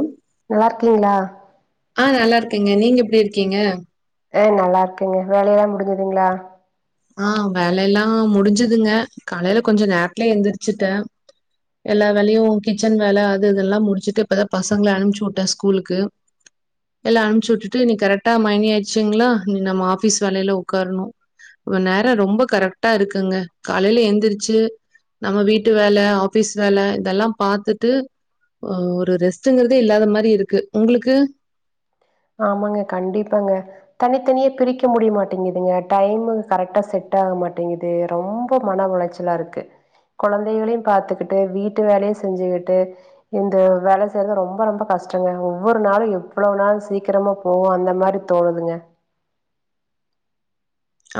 ம் நல்லாயிர்க்கீங்களா ஆ நல்லா இருக்கங்க நீங்க எப்டி இருக்கீங்க ஆ நல்லா இருக்குங்க வேலையெல்லா முடிஞ்சுதுங்களா ஆ வேல எல்லா முடிஞ்சுதுங்க காலையில கொஞ்ச நேர்த்தே எந்திரிச்சிட்டேன் எல்லா வேலையும் கிச்சன் வேல் அது இதெல்லாம் முடிச்சுட்டு இப்பதான் பசங்கள அமிச்சு வுட்டே ஸ்கூலுக்கு எல்ல அம்ச்சி வுட்டுட்டு இனி கரெக்டா மணி ஆயிச்சுங்களா இனி நம்ம ஆபீஸ் வேலையில உக்காரணு இப்ப நேரம் ரொம்ப கரெக்ட்டா இருக்குங்க காலையில எந்திருச்சு நம்ம வீட்டு வேல ஆபீஸ் வேல இதெல்லாம் பாத்துட்டு ஒரு ரெஸ்ட்ங்கிறதே இல்லாத மாரி இருக்கு உங்களுக்கு ஆமாங்க கண்டிப்பாங்க தனித்தனியே பிரிக்க முடிய மாட்டேங்குதுங்க டைமு கரெக்டா செட் ஆக மாட்டேங்குது ரொம்ப மன உளச்சில் இருக்கு னண்குழந்தைகளையும் பாத்துக்கிட்டு வீட்டுவேலையும் செஞ்சுக்கிட்டு இந்த வேல செய்யறது ரொம்ப ரொம்ப கஷ்டங்க ஒவ்வொரு நாளும் எவ்ளவு நாள் சீக் சீக்கிரமா போவூம் அந்த மாரி தோணுதுங்க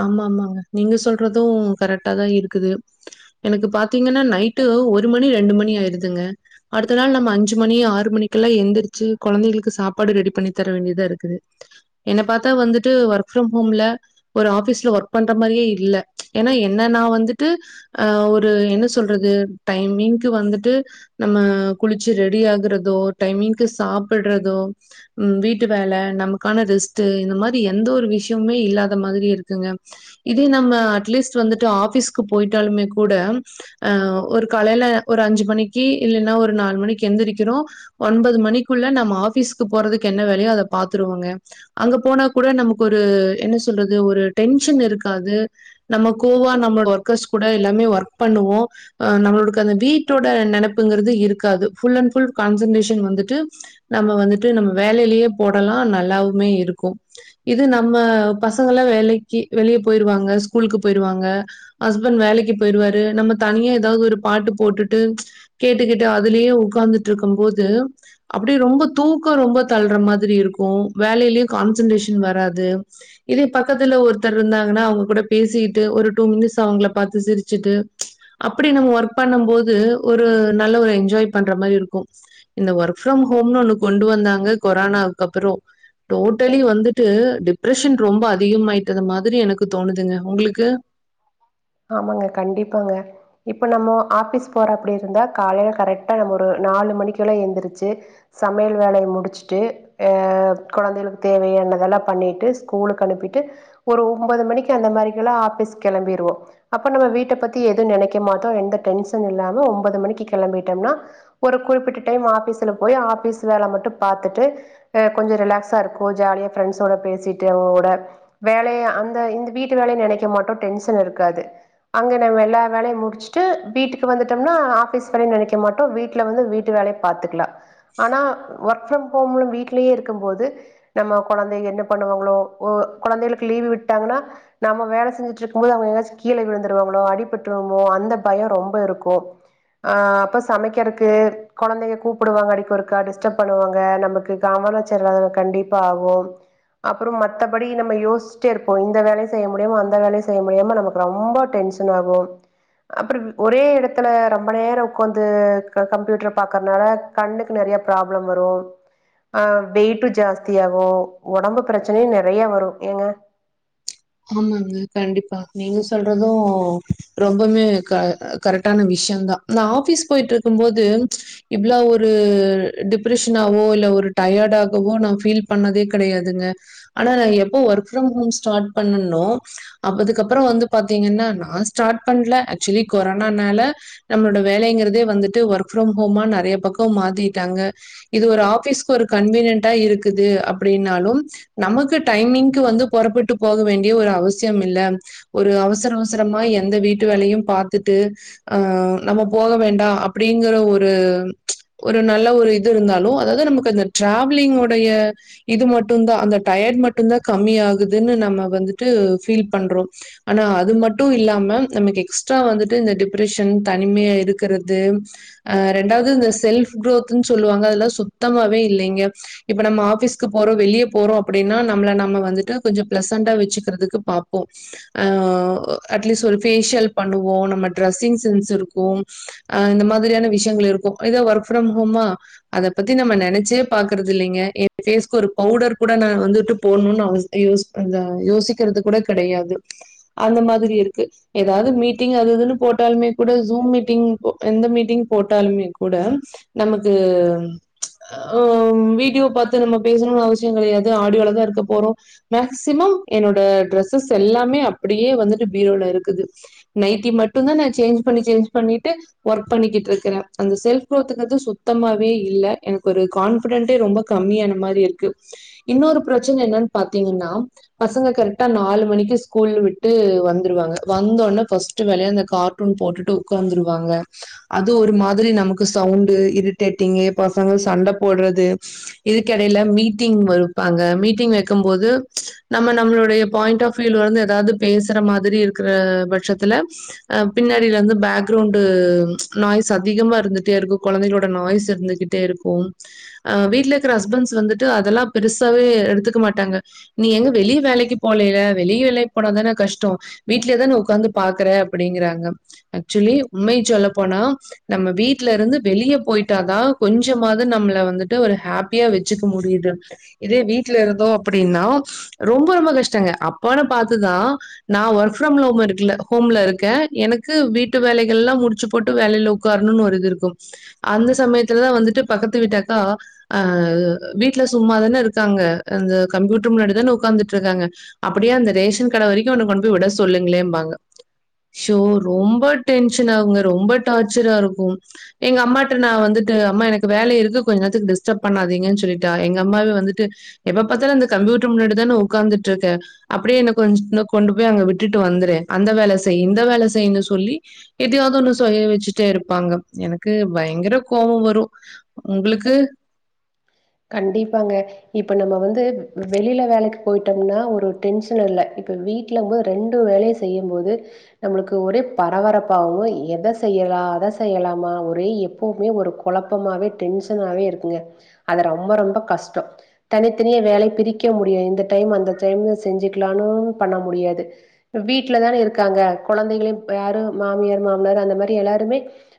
ஆமா ஆமாங்க நீங்க சொல்றதும் கரெக்டா தான் இருக்குது எனக்கு பாத்தீங்கன்னா நைட்டு ஒரு மணி ரெண்டு ஆயிடுதுங்க அடுத்த நாள் அஞ்சு ஆறு மணிக்கெல்லாம் எழுந்திருச்சு கொழந்தைகளுக்கு சாப்பாடு ரெடி பண்ணி தர வேண்டியதா இருக்குது என்ன பாத்தா வந்துட்டு ஒர்க் ஃப்ரம் ஹோம்ல ஒரு ஆபிஸ்ல ஒர்க் பண்ற மாரியே இல்ல என்ன என்னன்னா வந்துட்டு அ ஒரு என்ன சொல்றது டைமிங்க்கு வந்துட்டு நம்ம குளிச்சு ரெடி ஆகுறதோ டைமிங்க்கு சாப்டுறதோ ம் வீட்டு வேல நமக்கான ரெஸ்ட் இந்த மாரி எந்த ஒரு விஷயமுமே இல்லா ந்த மாதிரி இருக்குங்க இதே நம்ம அட்லீஸ் வந்துட்டு ஆபீஸ்க்கு போயிட்டாலுமே கூட அ ஒரு காலையில ஒரு அஞ்சு மணிக்கு இல்லன்னா ஒரு நாலு மணிக்கு எந்திரிக்கிறோ ஒன்பது மணிக்குள்ள நம்ம ஆபிஸ்க்கு போறதுக்கு என்ன வேலையோ அத பாத்துருவோங்க அங்க போனா கூட நமக்கு ஒரு என்ன சொல்றது ஒரு டென்ஷன் இருக்காது நம்ம கோவா நம்மளோட ஒர்கர்ஸ் கூட எல்லாமே ஒர்க் பண்ணுவோ அ நம்மளுக்கு அந்த வீட்டோட நெனப்புங்கிறது இருக்காது புல்லன்புல் கான்சன்ட்ரேஷன் வந்துட்டு நம்ம வந்துட்டு நம்ம வேலையிலயே போடலாம் நல்லவுமே இருக்கும் இது நம்ம பசங்க எல்லா வேலைக்கு வெளியே போயிருவாங்க ஸ்கூலுக்கு போயிருவாங்க ஹஸ்பண்ட் வேலைக்கு போயிருவாரு நம்ம தனியா ஏதாவது ஒரு பாட்டு போட்டுட்டு கேட்டுகிட்டு அதுலயே உக்காந்துட்டு இருக்கும் போது அப்டியே ரொம்ப தூக்கோ ரொம்ப தள்ற மாரி இருக்கு வேலேலயு கான்சன்ட்ரேஷன் வராது இதே பக்கத்துல ஒருத்தர் இருந்தாங்கன்னா அவுங்க கூட பேசிகிட்டு ஒரு டூ மினிட்ஸ் அவுங்கள பாத்து சிருச்சுட்டு அப்டி நம்ம ஒர்க் பண்ணும் போது ஒரு நல்ல ஒரு என்ஜாய் பண்ற மாரி இருக்கு இந்த ஒர்க் ஃப்ரம் ஹோம்னு ஒண்ணு கொண்டு வந்தாங்க கொரானாவுக்கு அப்புறோ டோட்டலி வந்துட்டு டிப்ரஷன் ரொம்ப அதிகமாயிட்டது மாரி எனக்கு தோணுதுங்க ஒங்களுக்கு ஆமாங்க கண்டிப்பாங்க இப்ப நம்மோ ஆஃபீஸ் போற அப்டி இருந்தா காலேல கரெக்டா நம்ம ஒரு நாலு மணிக்கெல்லா எந்துருச்சு சமையல் வேலய முடுச்சுட்டு அ கொழந்தைகளுக்கு தேவையானதெல்லா பண்ணிட்டு ஸ்கூலுக்கு அனுப்பிட்டு ஒரு ஒன்போது மணிக்கு அந்த மாரிக்கெல்லா ஆஃபிஸ்க்கு கெளம்பிற்வோ அப்ப நம்ம வீட்ட பத்தி எது நெனைக்க மாட்டோ எந்த டென்ஷன் இல்லாம ஒம்பது மணிக்கு கெளம்பிட்டம்னா ஒரு குறிப்பிட்ட டைம் ஆஃபீஸுல போய் ஆஃபீஸ் வேல மட்டு பாத்துட்டு அ கொஞ்ச ரிலாக்ஸா இருக்கு ஜாலியா ஃப்ரெண்ட்ஸோட பேசிட்டு அவுங்க கூட வேலயு அந்த இந்த வீட்டு வேலய நெனைக்க மாட்டோ டென்ஷன் இருக்காது அங்க நம்ம எல்லா வேலயு முடுச்சுட்டு வீட்டுக்கு வந்துட்டம்னா ஆஃபீஸ் வேலையு நெனைக்க மாட்டோ வீட்ல வந்து வீட்டு வேல பாத்துக்கலா ஆனா ஒர்க் ஃப்ரம் ஹோம்ல வீட்லயே இருக்கம் போது நம்ம கொழந்தை என்ன பண்ணுவாங்களோ ஒ கொழந்தைகளுக்கு லீவு விட்டாங்கன்னா நாம வேலை செஞ்சுட்டு இருக் கும்போது அவுங்க ஏதாச்சு கீழ விழுந்துருவாங்களோ அடிபட்டுருமோ அந்த பயோ ரொம்ப இருக்கு அ அப்ப சமைக்கிறக்கு கொழந்தைங்க கூப்புடுவாங்க அடிக்கொருக்கா டிஸ்டப் பண்ணுவாங்க நமக்கு [unintelligible] கண்டிப்பா ஆகு அப்பறோ மத்தபடி நம்ம யோஸ்சுட்டே இருப்போ இந்த வேலயு செய்ய முடியாம அந்த வேலயு செய்ய முடியாம நமக்கு ரெம்ப டென்ஷன் ஆகும் அப்பறப் ஒரே எடத்துல ரெம்ப நேர உக்காந்து க கம்ப்யூட்டர் பாக்கறனால கண்ணுக்கு நெறைய ப்ராப்ளம் வரு ஆ வெயிட்டு ஜாஸ்தி ஆகு ஒடம்பு பிரச்சனையு நெறைய வரு ஏங்க ஆமாங்க கண்டிப்பா நீங்க சொல்றது ரொம்பமே க கரெட்டான விஷ்யந் தா நா ஆஃபீஸ் போயிட்ருக்கும் போது இவ்ளோ ஒரு டிப்ரெஷனவோ இல்ல ஒரு டயர்டாகவோ நா ஃபீல் பண்ணதே கெடையாதுங்க ஆனா நா எப்போ ஒர்க் ஃப்ரம் ஹோம் ஸ்டாட் பண்ணனோ அப்பதுக்கப்பறோ வந்து பாத்தீங்கன்னா நா ஸ்டார்ட் பண்ல ஆக்சுவலி கொரானானால நம்மளோட வேலைங்கிறதே வந்துட்டு ஒர்க் ஃப்ரம் ஹோமா நெறைய பக்கோ மாத்திட்டாங்க இது ஒரு ஆஃபிஸ்க்கு ஒரு கன்வீனியன்டா இருக்குது அப்டினாலும் நமக்கு டைமிங்க்கு வந்து பொறப்பட்டு போக வேண்டிய ஒரு அவசியம் இல்ல ஒரு அவசர அவசரமா எந்த வீட்டு வேலையு பாத்துட்டு அ நம்ம போக வேண்டா அப்டிங்கற ஒரு ஒரு நல்ல ஒரு இது இருந்தாலு அதாவது நமக்கு அந்த ட்ராவ்லிங் உடைய இது மட்டுந்தா அந்த டயட் மட்டுந் தா கம்மி ஆகுதுன்னு நம்ம வந்துட்டு பீல் பண்றோ ஆனா அது மட்டு இல்லாம நமக்கு எக்ஸ்ட்ரா வந்துட்டு இந்த டிப்ரெஷன் தனிமையா இருக்கறது அ ரெண்டாவது இந்த செல்ஃப் குரோத்ன்னு சொல்லுவாங்க அதல்லா சுத்தமாவே இல்லைங்க இப்ப நம்ம ஆஃபிஸ்கு போறோ வெளிய போறோ அப்டினா நம்மள நம்ம வந்துட்டு கொஞ்சோ பிளஸ் சன்டா வச்சுக்கறதுக்கு பாப்போ அ அட்லீஸ்ட் ஒரு பேஷியல் பண்ணுவோ நம்ம டிரெஸ்ஸிங் சென்ஸ் இருக்கு அ இந்த மாதிரியான விஷயங்கள் இருக்கு இதே ஒர்க் ஃப்ரம் ஹோமா அத பத்தி நம்ம நெனச்சே பாக்கறது இல்லைங்க என் ஃபேஸ்கு ஒரு பவுடர் கூட நா வந்துட்டு போட்ணும்னு அவஸ் யோஸ் அந்த யோசிக்கறது கூட கெடயாது அந்த மாதிரி இருக்கு ஏதாவ்து மீட்டிங் அது இதுன்னு போட்டாலுமே கூட ஜூம் மீட்டிங் எந்த மீட்டிங் போட்டாலுமே கூட நமக்கு அஹ் வீடியோ பாத்து நம்ம பேசணும்னு அவசியம் கெடயாது ஆடியோல தான் இருக்க போறோம் மேக்சிமம் என்னோட ட்ரெஸ்ஸஸ் எல்லாமே அப்டியே வந்துட்டு பீரோல இருக்குது நைட்டி மட்டும் தான் நா சேஞ்ச் பண்ணி சேஞ்ச் பண்ணிட்டு ஒர்க் பண்ணிக்கிட்டு இருக்கறேன் அந்த செல்ஃப் குரோத்துங்கது சுத்தமாவே இல்ல எனக்கு ஒரு கான்ஃபிடென்டே ரொம்ப கம்மியான மாரி இருக்கு இன்னொரு பிரச்சன என்னன்னு பாத்தீங்ன்னா பசங்க கரெக்ட்டா நாலு மணிக்கு ஸ்கூல் விட்டு வந்துருவாங்க வந்தோனே ஃபஸ் ட்டு வேலயா அந்த கார்ட்டூன் போட்டுட்டு உக்காந்துருவாங்க அது ஒரு மாரி நமக்கு சவுண்டு இரிட்டேட்டிங் பசங்க சண்ட போட்றது இதுக் கெடயில மீட்டிங் வப்பாங்க மீட்டிங் வக் கும் போது நம்ம நம்மளுடைய பாயிண்ட் ஆஃப் வியூல இருந்து ஏதாது பேசற மாரி இருக்கற பட்சத்துல அ பின்னாடியில இருந்து பேக் கிரவுண்டு நாய்ஸ் அதிகமா இருந்துட்டே இருக்கும் கொழந்தைகளோட நாய்ஸ் இருந்துகி ட்டே இருக்கும் அ வீட்ல இருக்கற ஹஸ்பண்ட்ஸ் வந்துட்டு அதெல்லாம் பெருசாவே எடுத்துக்க மாட் டாங்க நீ எங்க வெளிய வேலைக்கு போலைல வெளிய வேலைக்கு போனாதான கஷ்டம் வீட்லயேதான் உக்காந்து பாக்குற அப்டிங்கறாங்க ஆக்சுவலி உண்மைய சொல்ல போனா நம்ம வீட்ல இருந்து வெளிய போயிட்டாதான் கொஞ்சமாது நம்மள வந்துட்டு ஒரு ஹாப்பியா வச்சுக்க முடியுது இதே வீட்ல இருந்தோம் அப்டினா ரொம்ப ரொம்ப கஷ்டங்க அப்போனு பாத்துதான் நா ஒர்க் ஃப்ரம்ல ஹோம் இருக்குல ஹோம்ல இருக்கேன் எனக்கு வீட்டு வேலைகள் எல்லாம் முடிச்சு போட்டு வேலையில உக்காரணும்னு ஒரு இது இருக்கும் அந்த சமயத்துலதா வந்துட்டு பக்கத்து வீட்டு அக்கா அஹ் வீட்ல சும்மாதானே இருக்காங்க அந்த கம்ப்யூட்டர் முன்னாடி தான உக்காந்துட்டு இருக்காங்க அப்டியே அந்த ரேஷன் கட வரைக்கும் என்ன கொண்டு போய் விட சொல்லுங்களேம் பாங்க சோ ரொம்ப டென்ஷன் ஆகுங்க ரொம்ப டார்ச்சரா இருக்கும் எங்க அம்மாட்ட நா வந்துட்டு அம்மா என வேல இருக்கு கொஞ்ச நேரத்துக்கு டிஸ்டர்ப் பண்ணாதீங்கன்னு சொல்லிட்டா எங்க அம்மாவே வந்துட்டு எப்ப பத்தாலும் இந்த கம்யூட்டர் முன்னாடி தான உக்காந்துட் இருக்க அப்டியே என்ன கொஞ்ச கொண்டு போய் அங்க விட்டுட்டு வந்துர அந்த வேல செய் இந்த வேல செய்ன்னு சொல்லி எதயாவ்து ஒன்னு செய்ய வச்சுட்டே இருப்பாங்க எனக்கு பயங்கர கோவொ வரும். ஒங்ளுக்கு கண்டிப்பாங்க இப்ப நம்ம வந்து வெளியில வேலைக்கு போயிட்டோம்னா ஒரு டென்ஷன் இல்ல இப்ப வீட் லங்கும் போது ரெண்டு வேலை செய்யும்போது நம்மளுக்கு ஒரே பரபரப்பாகவும் எத செய்யலாம் அத செய்யலாமா ஒரே எப் பவுமே ஒரு கொழப்பமாவே டென்ஷனாவே இருக்குங்க அது ரொம்ப ரொம்ப கஷ்டம் தனித்தனிய வேலை பிரிக்க முடியும் இந்த டைம் அந்த டைம் செஞ்சுக்கலான்னு பண்ண முடியாது இப்ப வீட்ல தான இருக்காங்க கொழந்தைகளையும் யாரு மாமியார் மாமனார் அந்த மாரி எல்லாருமே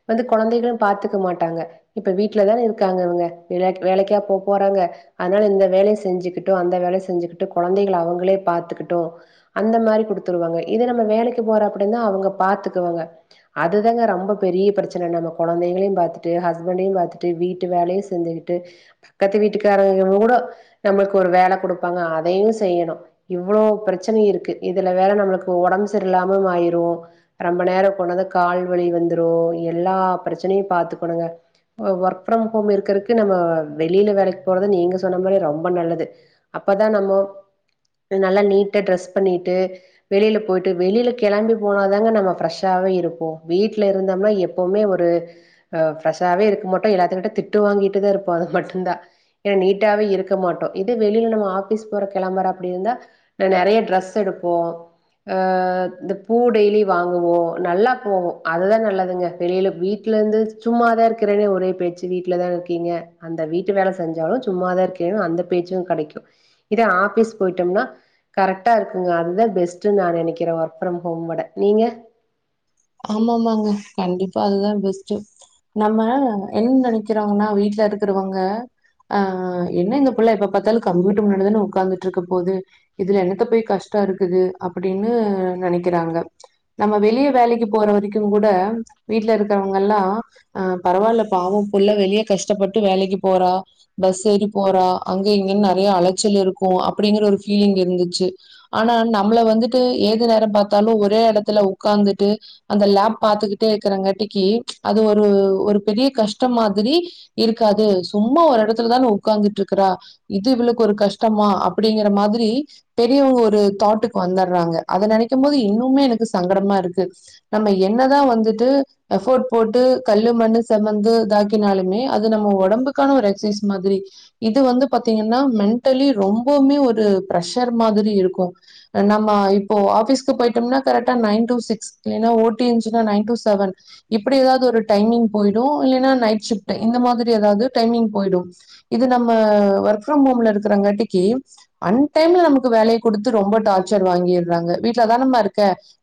வந்து கொழந்தைகள் பாத்துக்க மாட்டாங்க இப்ப வீட்லதான இருக்காங்க இவுங்க வெளயாட் வேலைக்கா போ போறாங்க அதனால இந்த வேலயை செஞ்சுக்கிட்டும் அந்த வேலய செஞ்சுக்கிட்டும் கொழந்தைகள அவுங்ளே பாத்துக்கிட்டும் அந்த மாரி குடுத்துருவாங்க இதே நம்ம வேலைக்கு போற அப்டின்னா அவுங்க பாத்துக்குவாங்க அதுதாங்க ரொம்ப பெரிய பிரச்சன நம்ம கொழந்தைகளையு பாத்துட்டு ஹஸ்பண்டையு பாத்துட்டு வீட்டு வேலையும் செஞ்சுக் ட்டு பக்கத்து வீட்டுக்காரங்க கூட நம்மளுக்கு ஒரு வேல குடுப்பாங்க அதையு செய்யணோ இவ்ளோ பிரச்சன இருக்கு இதுல வேற நம்மளுக்கு ஒடம்பு சரியலாம ஆயிரு ரொம்ப நேரோ கொனாந்து கால்வவி வந்துரோ எல்லா பிரச்சனையு பாத்துக்கணுங்க ஒ வொர்க் ஃப்ரம் ஹோம் இருக்கறக் வந்து நம்ம வெளில வேலைக்கு போறது நீங்க சொன்ன மாரி ரொம்ப நல்லது அப்பதா நம்ம நல்லா நீட்டா ட்ரெஸ் பண்ணிட்டு வெளியில போயிட்டு வெளியில கெளம்பி போன தாங்க நம்ம ஃப்ரெஷாவே இருப்போ வீட்ல இருந்தம்னா எப் போமே ஒரு ஆ ஃப்ரெஷாவே இருக்க மாட்டோ எல்லாத்துக்கிட்ட திட்டு வாங்கிட்டுதா இருப்போ அது மட்டுந்தா ஏனா நீட்டாவே இருக்க மாட்டோ இதே வெளியில நம்ம ஆஃபீஸ் போற கெளம்பற அப்டி இருந்தா நெறைய ட்ரெஸ் எடுப்போ ஆ இந்த பூ டெய்லி வாங்குவோ நல்லா போவோ அதுதா நல்லதுங்க வெளியில வீட் லருந்து சும்மாதா இருக்கறேனு ஒரே பேச்சு வீட்லதான இருக் கிங்க அந்த வீட்டு வேல செஞ்சாலு சும்மாதா இருக்கேனு அந்த பேச்சு கெடைக்கு இதே ஆஃபிஸ் போயிட்டம்னா கரெக்டா இருக்குங்க அதுதா பெஸ்ட்டுன் நா நெனைக்கிறே ஒர்க் ஃப்ரம் ஹோம் விட நீங்க ஆமாமாங்க கண்டிப்பா அதுதா பெஸ்ட்டு நம்ம என்ன நெனைக்கிறாங்கன்னா வீட்ல இருக்கிறவங்க ஆ என்ன இந்த புள்ள எப்ப பாத்தாலு கம்ப்யூட்டர் முன்னாடி தான உக்காந்துட்ருக்க போது இதுல என்னத்த போய் கஷ்டோ இருக்குது அப்டின்னு நெனைக்கிறாங்க நம்ம வெளிய வேலைக்கு போற வரைக்குங் கூட வீட்ல இருக்கிறவங்க எல்லா ஆ பரவால்ல பாவோ புள்ள வெளிய கஷ்டப்பட்டு வேலைக்கு போறா பஸ் ஏறி போறா அங்க இங்கன்னு நெறைய அலைச்சல் இருக்கு அப்படிங்கற ஒரு ஃபீலிங் இருந்துச்சு ஆனா நம்மள வந்துட்டு ஏது நேரம் பாத்தாலு ஒரே எடத்துல உக்காந்துட்டு அந்த லேப் பாத்துக்கிட்டே இருக்கிறங்காட்டிக்கு அது ஒரு ஒரு பெரிய கஷ்ட மாதிரி இருக்காது சும்மா ஒரு எடத்துலதான உக்காந்துட்ருக்கறா இது இவளுக்கு ஒரு கஷ்டமா அப்டிங்கற மாதிரி பெரியவங்க ஒரு தாட்டுக்கு வந்தர்றாங்க அத நெனைக்கும் போது இன்னுமே எனக்கு சங்கடமா இருக்கு நம்ம என்னதா வந்துட்டு எஃபோர்ட் போட்டு கல்லு மண்ணு செமந்து இதாக்கினாலுமே அது நம்ம ஒடம்புக்கான ஒரு எக்சைஸ் மாதிரி இது வந்து பாத்திங்கன்னா மென்ட்டலி ரொம்பவுமே ஒரு பிர்ஷர் மாதிரி இருக்கு நம்ம இப்போ ஆபிஸ்க்கு போயிட்டம்னா கரெக்டா நைன் டூ சிக்ஸ் இல்லினா ஓ டி இந்துச்சுனா நைன் டூ செவன் இப்படி ஏதாவது ஒரு டைமிங் போயிடு இல்லைன்னா நைட் ஷிஃப்ட்டு இந்த மாதிரி எதாவது டைமிங் போயிடு இது நம்ம ஒர்க் ஃப்ரம் ஹோம்ல இருக்கறங்காட்டிக்கு அன் டைம்ல நமக்கு வேலைய குடுத்து ரொம்ப டார்ச்சர் வாங்கிர்றாங்க வீட்லதானமா இருக்க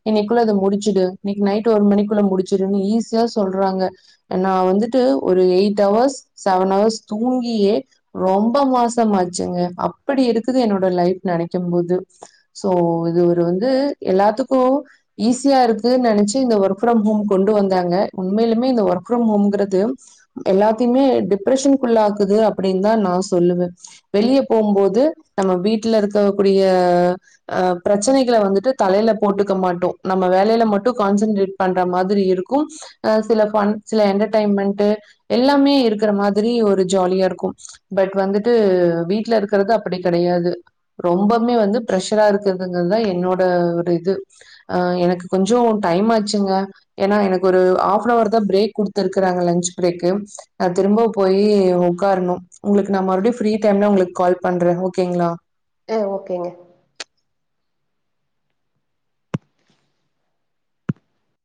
இன்னிக்குள்ள இத முடிச்சுடு இன்னிக்கு நைட் ஒரு மணிக்குள்ள முடிச்சுடுன்னு ஈஸியா சொல்றாங்க நா வந்துட்டு ஒரு எயிட் ஹவர்ஸ் செவன் ஹவர்ஸ் தூங்கியே ரொம்ப மாசோ ஆச்சுங்க அப்டி இருக்குது என்னோட லைஃப் நெனைக்கும் போது சோ இது ஒரு வந்து எல்லாத்துக்கு ஈஸியா இருக் கு நெனைச்சு இந்த ஒர்க் ஃப்ரம் ஹோம் கொண்டு வந்தாங்க உண்மையிலுமே இந்த ஒர்க் ஃப்ரம் ஹோம்ங்கிறது எல்லாத்தைமே டிப்ரஷனுக்குள்ளாக்குது அப்படின்தா நா சொல்லுவே வெளிய போம்போது நம்ம வீட்டுல இருக்க கூடிய ஆ பிரச்சனைகள வந்துட்டு தலையில போட்டுக்க மாட்டோ நம்ம வேலையில மட் டு கான்சன்ட்ரேட் பண்ற மாதிரி இருக்கு ஆ சில ஃபன் சில என்டர்டெய்மெண்ட்டு எல்லாமே இருக்கிற மாதிரி ஒரு ஜாலியா இருக்கு பட் வந்துட்டு வீட்ல இருக்கறது அப்படி கெடையாது ரொம்பமே வந்து ப்ரஷரா இருக்குறதுங்கிறதுதா என்னோட ஒரு இது ஆ எனக்கு கொஞ் சோ டைம் ஆச்சுங்க ஏன்னா எனக்கொரு ஹாஃபன் அவர்தா பிரேக் குடுத்துருக்கறாங்க லன்ச் பிரேக்கு நா திரும்ப போயி உக்காரணு உங்களுக்கு நா மறுபடியு ஃப்ரீ டைம்ல உங்களுக்கு கால் பண்றே ஓகேங்ளா அ ஓகேங்க